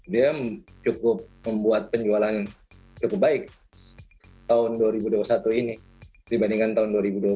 dia cukup membuat penjualan cukup baik tahun dua ribu dua puluh satu ini dibandingkan tahun dua ribu dua puluh satu